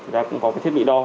đã cũng có cái thiết bị đo